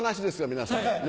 皆さん